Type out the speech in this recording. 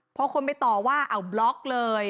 พอคนไปต่อว่าเอาบล็อกเลย